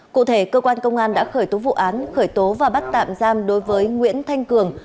cụ thể cơ quan công an đã khởi tố vụ án khởi tố và bắt tạm giam đối với nguyễn thanh cường